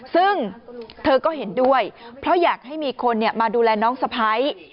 ซึ่งเธอก็เห็นด้วยเพราะอยากให้มีคนมาดูแลน้องสะพ้าย